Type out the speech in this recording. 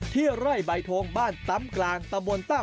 ที่ไล่ใบโทงบ้านตำกลางตำวนตำ